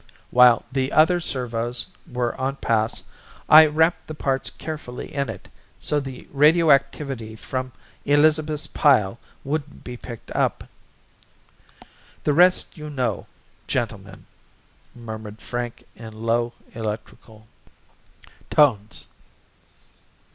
While the other servos were on pass I wrapped the parts carefully in it so the radioactivity from Elizabeth's pile wouldn't be picked up. The rest you know, gentlemen," murmured Frank in low, electrical tones.